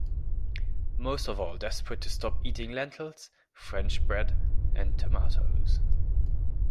Most of all desperate to stop eating lentils, French bread and tomatoes.